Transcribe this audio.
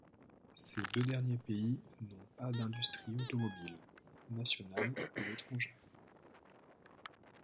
Ces deux derniers pays n'ont pas d'industrie automobile, nationale ou étrangère.